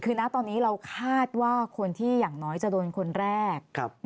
คือนะตอนนี้เราคาดว่าคนที่อย่างน้อยจะโดนคนแรก